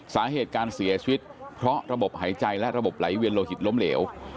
สาเหตุการเสียชีวิตเพราะระบบหายใจและระบบไหลเวียนโลหิตล้มเหลว